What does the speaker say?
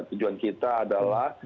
tujuan kita adalah